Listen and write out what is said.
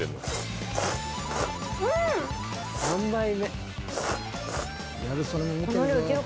うん！